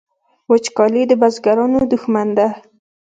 وچکالي د بزګرانو دښمن ده